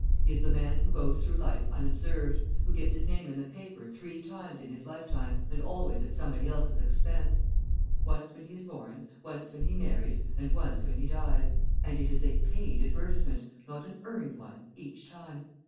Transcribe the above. He is the man who goes through life unobserved, who gets his name in the paper three times in his lifetime, and always at somebody else's expense. Once when he is born, once when he marries, and once when he dies, and it is a paid advertisement, not an earned one, each time.